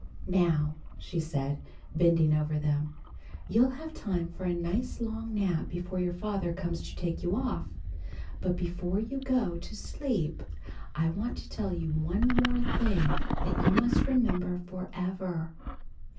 "Now," she said, bending over them, "You'll have time for a nice long nap before your father comes to take you off. But before you go to sleep, I want to tell you one more thing that you must remember forever.